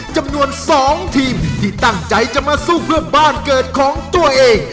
จำนวน๒ทีมที่ตั้งใจจะมาสู้เพื่อบ้านเกิดของตัวเอง